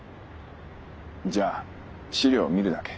じゃあ資料見るだけ。